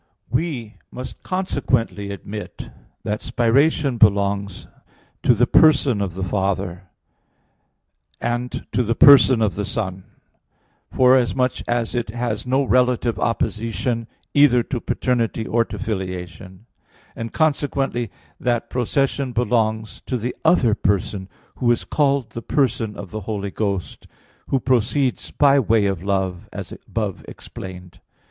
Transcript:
We must consequently admit that spiration belongs to the person of the Father, and to the person of the Son, forasmuch as it has no relative opposition either to paternity or to filiation; and consequently that procession belongs to the other person who is called the person of the Holy Ghost, who proceeds by way of love, as above explained.